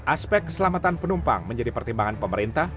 aspek keselamatan penumpang menjadi pertimbangan pemerintah